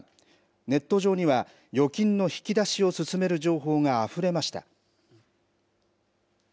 ネット上には預金の引き出しを勧める情報があふれました。